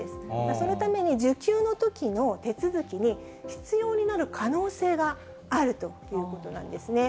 そのために、受給のときの手続きに必要になる可能性があるということなんですね。